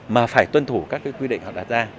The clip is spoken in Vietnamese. mà phải tuân thủ các quy định họ đặt ra